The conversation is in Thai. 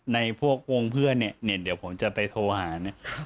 ในพวกวงเพื่อนเนี่ยเนี่ยเดี๋ยวผมจะไปโทรหาเนี่ย